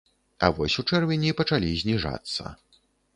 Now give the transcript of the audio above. А вось ў чэрвені пачалі зніжацца.